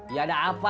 ya ada apa